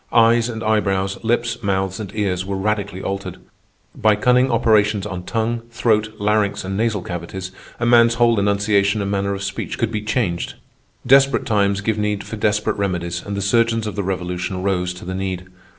Eyes and eyebrows, lips, mouths, and ears, were radically altered. By cunning operations on tongue, throat, larynx, and nasal cavities a man's whole enunciation and manner of speech could be changed. Desperate times give need for desperate remedies, and the surgeons of the Revolution rose to the need.